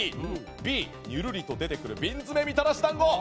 Ｂ、ニュルリと出てくる瓶詰めみたらし団子。